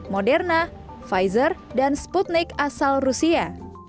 moderna pfizer dan sputnake asal rusia